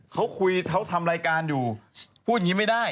เขาคุยเขาทำรายการอยู่พูดอย่างนี้ไม่ได้